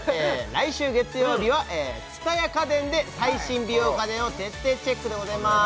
来週月曜日は蔦屋家電で最新美容家電を徹底チェックでございます